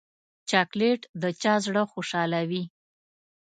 چاکلېټ د چا زړه خوشحالوي.